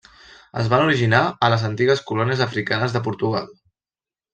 Es van originar a les antigues colònies africanes de Portugal.